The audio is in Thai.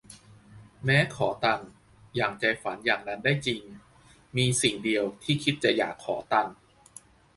แม้ขอตัน อย่างใจฝันอย่างนั้นได้จริง มีสิ่งเดียว ที่คิดจะอยากขอตัน